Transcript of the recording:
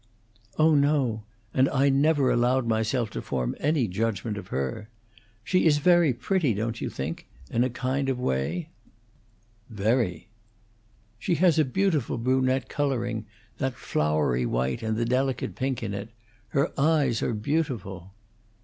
"Oh no. And I never allowed myself to form any judgment of her. She is very pretty, don't you think, in a kind of way?" "Very." "She has a beautiful brunette coloring: that floury white and the delicate pink in it. Her eyes are beautiful."